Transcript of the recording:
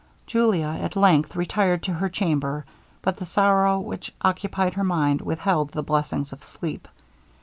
Julia, at length, retired to her chamber, but the sorrow which occupied her mind withheld the blessings of sleep.